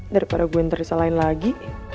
daripada gue yang tersalahin lagi